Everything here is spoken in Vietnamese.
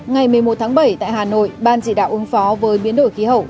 ngày một mươi một tháng bảy tại hà nội ban chỉ đạo ứng phó với biến đổi khí hậu